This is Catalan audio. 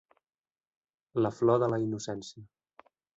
La flor de la innocència.